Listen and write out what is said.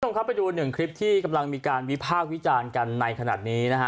นุ่มครับไปดูหนึ่งคลิปที่กำลังมีการวิภาควิจารณ์กันในขนาดนี้นะฮะ